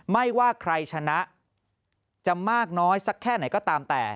ไม่ว่าใครชนะจะมากน้อยสักแค่ไหนก็ตามแต่